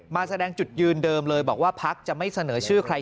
มาแสดงจุดยืนเดิมเลยบอกว่าพักจะไม่เสนอชื่อใคร